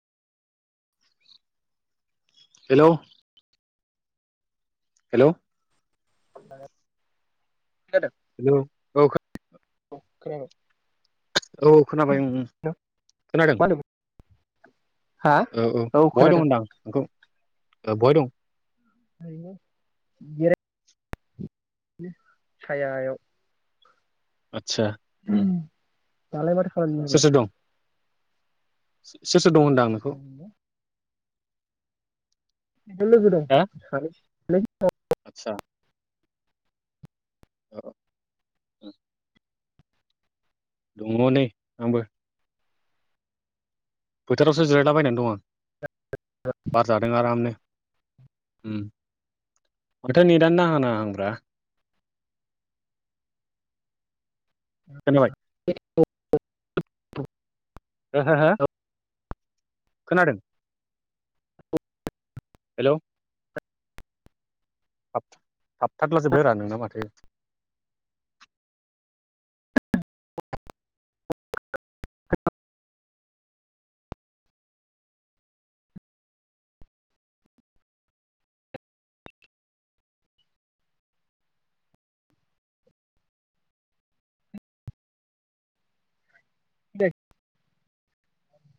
Hello hello [unintelligible] [unintelligible] [unintelligible] खोनाबाय औ खोनाबाय उम उम खोनादों होनदोंमोन हा औ औ बहाय दं होनदां नोंखौ ओ बहाय दं [unintelligible] सायायाव आतसा दालाय माथो खालामदों सोर नोंलाय? सोर दं सोर सोर दं होनदां नोंखौ [unintelligible] लोगो दं सानै [unintelligible] आतसा [inaudible] दङ नै आंबो बोथोरावसो जिरायलाबायना दं आं [unintelligible] बार जादों आरामनो उम माथो नेदानो नांहां नाङाहांब्रा खोनाबाय [unintelligible] हो हो सानै खोनादों हेलौ थाब थाबथादलाजोबबाय रा नोंना माथो दे